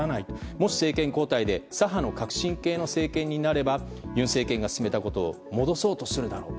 もし政権交代で左派の革新系の政権になれば尹政権が進めたことを戻そうとするだろう。